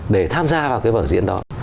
để tham gia vào cái vở diễn đó